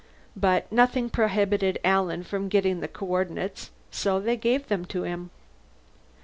But nothing prohibited Alan from getting the coordinates, and so they gave them to him.